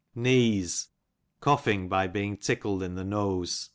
}«»«'*'• Neeze, coughing by being tickled in the nose.